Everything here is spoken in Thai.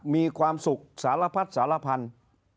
มีความสุขสารพัดสารพันธุ์